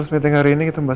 silahkan mbak mbak